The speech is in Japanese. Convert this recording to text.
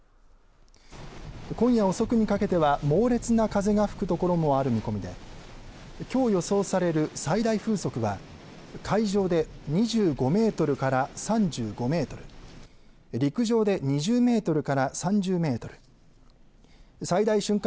今夜遅くにかけては猛烈な風が吹くところもある見込みできょう予想される最大風速は海上で２５メートルから３５メートル、陸上で２０メートルから３０メートル、最大瞬間